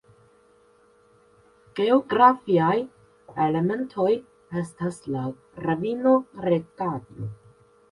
Geografiaj elementoj estas la ravino Regajo.